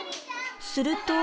すると。